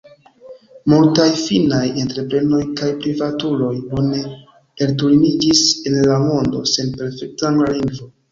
Multaj finnaj entreprenoj kaj privatuloj bone elturniĝis en la mondo sen perfekta angla lingvo.